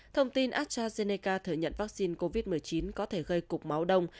thông tin astrazeneca thừa nhận vaccine covid một mươi chín có thể gây cục máu đông